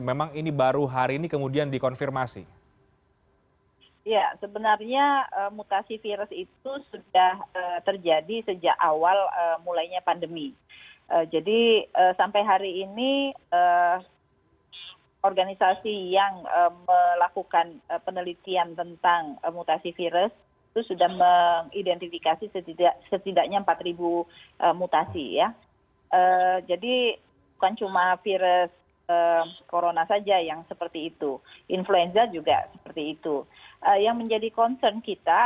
apakah sebelumnya rekan rekan dari para ahli epidemiolog sudah memprediksi bahwa temuan ini sebetulnya sudah ada di indonesia